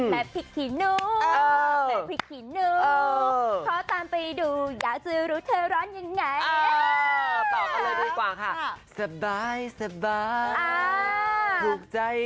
และพริกหินูเพราะตามไปดูอยากจะรู้เธอร้อนยังไง